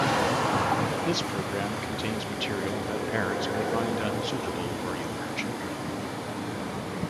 This program contains material that parents may find unsuitable for younger children.